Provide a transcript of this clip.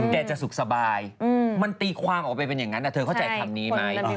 แกจะสุขสบายมันตีความออกไปเป็นอย่างนั้นเธอเข้าใจคำนี้ไหม